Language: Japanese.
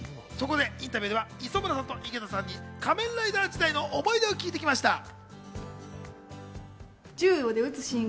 インタビューでは磯村さんと井桁さんに仮面ライダー時代の思い出を聞いてきました。